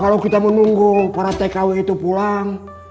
kalau kita menunggu para tkw itu pulang